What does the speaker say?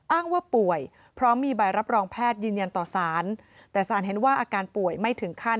อ้างว่าป่วยเพราะมีใบรับรองแพทย์ยืนยันต่อสารแต่สารเห็นว่าอาการป่วยไม่ถึงขั้น